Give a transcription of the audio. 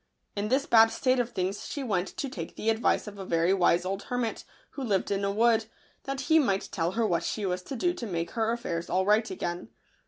In this bad state of things she went to take the advice of a very wise old hermit, who lived in a wood, that he might tell her what she was to do to make her affairs all right again.